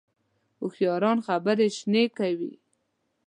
هوښیاران خبرې شنې کوي